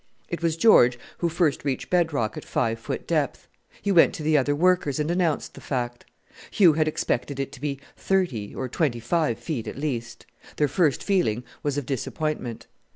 It was George who first reached bed rock at five foot depth! He went to the other workers and announced the fact. Hugh had expected it to be thirty, or twenty five, feet at least. Their first feeling was of disappointment.